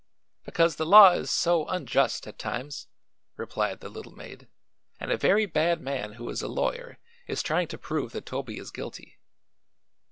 "Because the law is so unjust, at times," replied the little maid, "and a very bad man who is a lawyer is trying to prove that Toby is guilty."